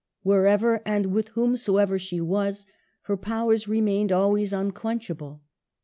Wherever and with whomsoever she was, her powers remained always unquenchable.